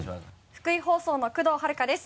福井放送の工藤遥です。